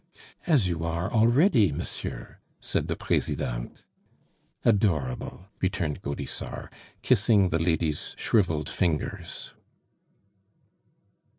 "As you are already, monsieur!" said the Presidente. "Adorable!" returned Gaudissart, kissing the lady's shriveled fingers.